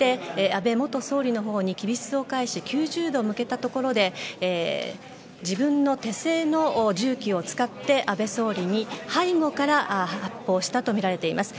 安倍元総理のほうにきびすを返し９０度向けたところで自分の手製の銃器を使って安倍元総理に背後から発砲したとみられています。